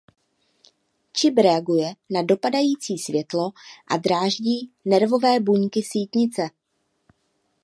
Čip reaguje na dopadající světlo a dráždí nervové buňky sítnice.